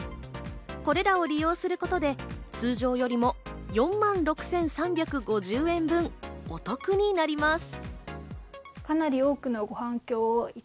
これらを利用することで通常よりも４万６３５０円分お得になります。